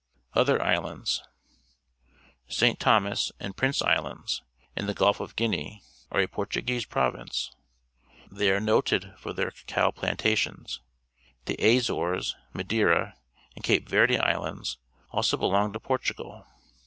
Other Islands. — St. Thomas and Prince Islands, in the Gulf of Guinea, are a Portu guese pro'V'ince. Thej^ are noted for their cacao plantations. The Azores, Madeira, and Cape Verde Islands also belong to Portugal.